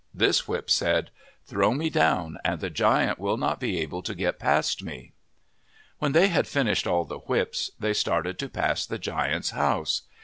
This whip said, " Throw me down and the giant will not be able to get past me.' When they had finished all the whips, they started to pass the giant's house.